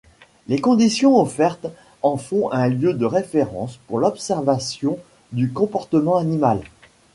Les conditions offertes en font un lieu de référence pour l'observation du comportement animal.